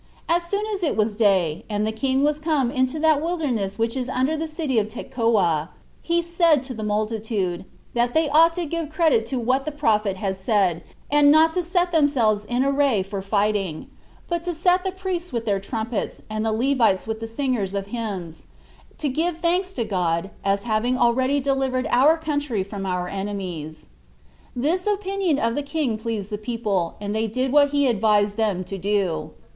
3. As soon as it was day, and the king was come into that wilderness which is under the city of Tekoa, he said to the multitude, "that they ought to give credit to what the prophet had said, and not to set themselves in array for fighting; but to set the priests with their trumpets, and the Levites with the singers of hymns, to give thanks to God, as having already delivered our country from our enemies." This opinion of the king pleased [the people], and they did what he advised them to do.